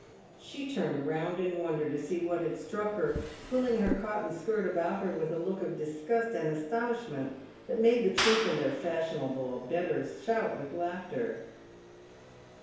She turned round in wonder to see what had struck her, pulling her cotton skirt about her with a look of disgust and astonishment that made the troop and their fashionable abettors shout with laughter.